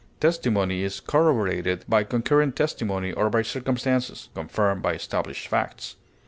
Testimony is corroborated by concurrent testimony or by circumstances; confirmed by established facts.